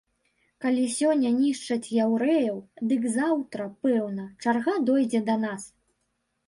Калі сёння нішчаць яўрэяў, дык заўтра, пэўна, чарга дойдзе да нас.